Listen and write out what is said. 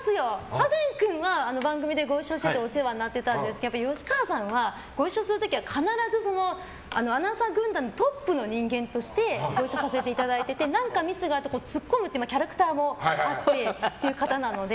ハセン君は番組でご一緒してお世話になってたんですけど吉川さんは、ご一緒する時は必ずアナウンサー軍団のトップの人間としてご一緒させていただいてて何かミスがあるとツッコむというキャラクターもある方なので。